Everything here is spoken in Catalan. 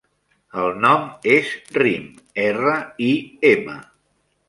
El nom és Rim: erra, i, ema.